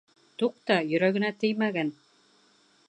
Туҡта, йөрәгенә теймәгән!..